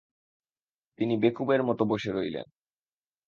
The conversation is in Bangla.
তিনি বেকুবের মতো বসে রইলেন।